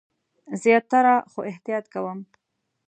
زیاتره، خو احتیاط کوم